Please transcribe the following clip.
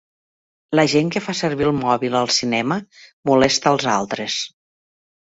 La gent que fa servir el mòbil al cinema molesta els altres.